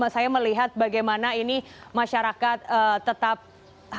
saya melihat bagaimana ini masyarakat tetap harus